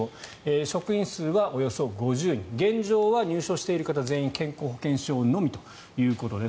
職員数はおよそ５０人現状は入所している方は全員健康保険証のみということです。